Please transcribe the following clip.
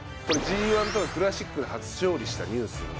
これＧⅠとかクラシックで初勝利したニュース